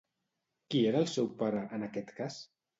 Qui era el seu pare, en aquest cas?